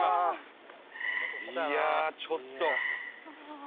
いやあちょっと。